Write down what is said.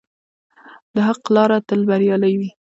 د حق لاره تل بریالۍ وي.